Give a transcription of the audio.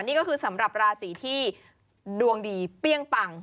นี่ก็คือสำหรับราศีที่ดวงดีเปรี้ยงปัง